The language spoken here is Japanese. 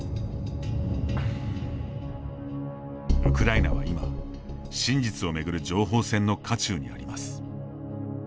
ウクライナは今、真実を巡る情報戦の渦中にあります。